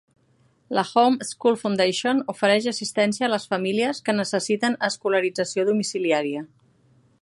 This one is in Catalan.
La Home School Foundation ofereix "assistència a les famílies que necessiten escolarització domiciliària".